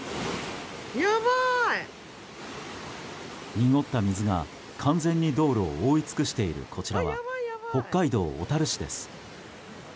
濁った水が完全に道路を覆い尽くしているこちらは北海道小樽市です。